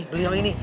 ini beli rumah ini